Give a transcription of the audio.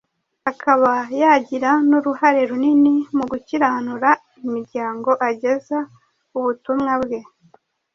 akaba yagira n'uruhare runini mu gukiranura imiryango ageza ubutumwa bwe